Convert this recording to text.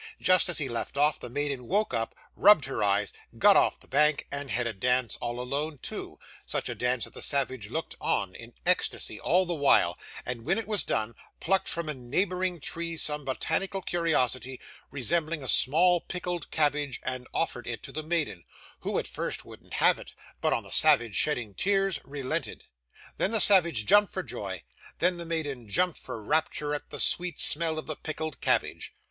Just as he left off, the maiden woke up, rubbed her eyes, got off the bank, and had a dance all alone too such a dance that the savage looked on in ecstasy all the while, and when it was done, plucked from a neighbouring tree some botanical curiosity, resembling a small pickled cabbage, and offered it to the maiden, who at first wouldn't have it, but on the savage shedding tears relented. Then the savage jumped for joy; then the maiden jumped for rapture at the sweet smell of the pickled cabbage.